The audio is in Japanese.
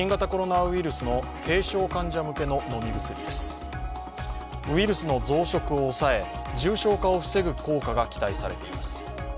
ウイルスの増殖を抑え、重症化を防ぐ効果が期待されています。